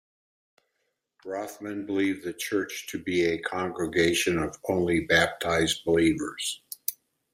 Rothmann believed the church to be a congregation of only baptized believers.